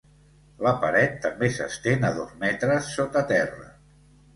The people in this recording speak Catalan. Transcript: La paret també s'estén a dos metres sota terra.